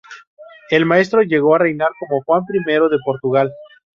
El maestre llegó a reinar como Juan I de Portugal.